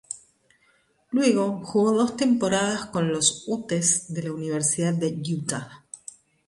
Luego jugó dos temporadas con los "Utes" de la Universidad de Utah.